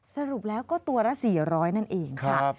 สรุปแล้วก็ตัวละ๔๐๐นั่นเองค่ะ